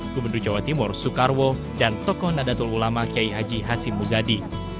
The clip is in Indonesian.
gubernur jawa timur soekarwo dan tokoh nadatul ulama kiai haji hashim muzadi